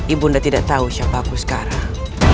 ibu anda tidak tahu siapa aku sekarang